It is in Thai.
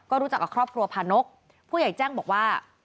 ก็รู้จักกับครอบครัวพานกผู้ใหญ่แจ้งบอกว่า